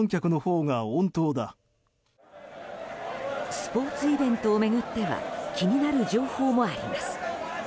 スポーツイベントを巡っては気になる情報もあります。